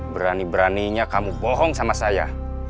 berani beraninya kamu bohong sama saya